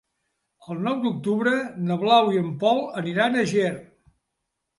El nou d'octubre na Blau i en Pol aniran a Ger.